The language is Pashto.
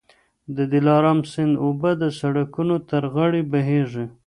د دلارام سیند اوبه د سړکونو تر غاړه بهېږي.